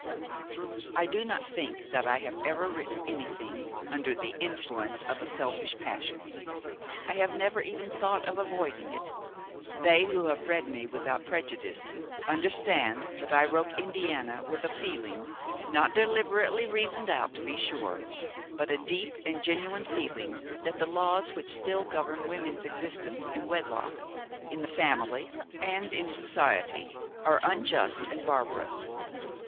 I do not think that I have ever written anything under the influence of a selfish passion; I have never even thought of avoiding it. They who have read me without prejudice understand that I wrote Indiana with a feeling, not deliberately reasoned out, to be sure, but a deep and genuine feeling that the laws which still govern woman's existence in wedlock, in the family and in society are unjust and barbarous.